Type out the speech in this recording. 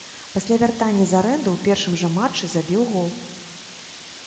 Пасля вяртання з арэнды ў першым жа матчы забіў гол.